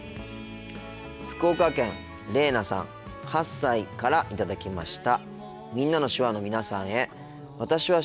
福岡県れいなさん８歳から頂きました。